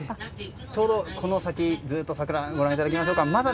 ちょうどこの先、ずっと桜をご覧いただきましょうか。